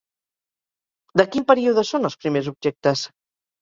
De quin període són els primers objectes?